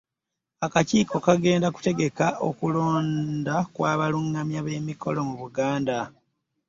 Akakiiko kagenda okutegeka okulonda kw'abalungamya b'emikolo mu Buganda.